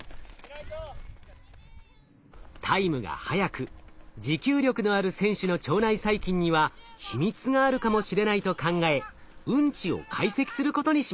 タイムが速く持久力のある選手の腸内細菌には秘密があるかもしれないと考えうんちを解析することにしました。